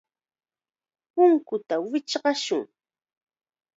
Punkuta wichqashun.